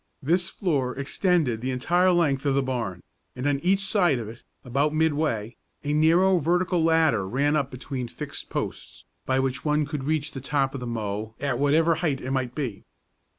This floor extended the entire length of the barn, and on each side of it, about midway, a narrow vertical ladder ran up between fixed posts, by which one could reach the top of the mow at whatever height it might be.